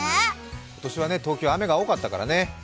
今年は東京、雨が多かったからね。